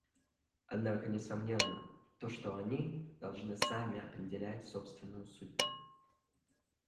Однако несомненно то, что они должны сами определять собственную судьбу.